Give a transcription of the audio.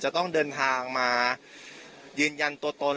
จะต้องเดินทางมายืนยันตัวตน